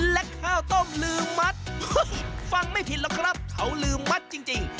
และข้าวต้มลืมมัดฟังไม่ผิดหรอกครับเขาลืมมัดจริง